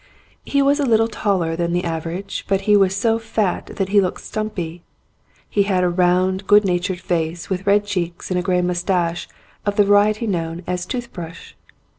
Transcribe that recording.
He was a little taller than the average, but he was so fat that he looked stumpy. He had a round good natured face, with red cheeks and a grey moustache of the variety known as tooth brush.